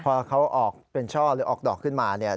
พอเขาออกเป็นช่อหรือออกดอกขึ้นมาเนี่ย